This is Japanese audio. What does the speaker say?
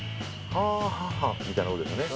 ハーハハみたいなことですね。